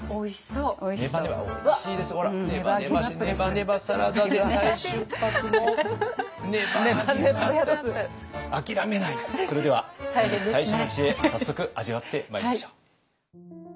それでは本日最初の知恵早速味わってまいりましょう。